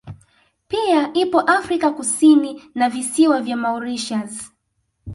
Pia ipo Afrika Kusni na visiwa vya Mauritius